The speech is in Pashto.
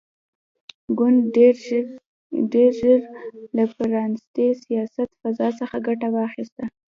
ګوند ډېر ژر له پرانیستې سیاسي فضا څخه ګټه واخیسته.